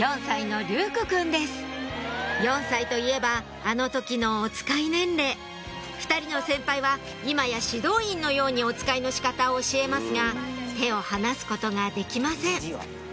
４歳といえばあの時のおつかい年齢２人の先輩は今や指導員のようにおつかいの仕方を教えますが手を離すことができません